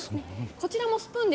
こちらもスプーンで